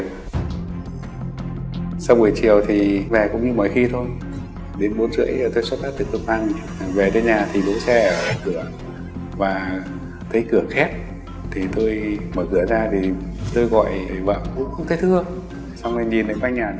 phát hiện vợ mình là bà nguyễn thị nhung bị chết